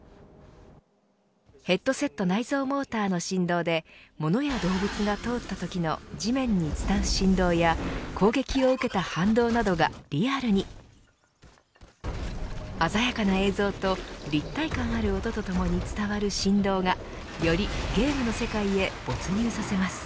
ヘッドセット内蔵モーターの振動で物や動物が通ったときの地面に伝う振動や攻撃を受けた反動などがリアルに鮮やかな映像と立体感ある音とともに伝わる振動がよりゲームの世界へ没入させます。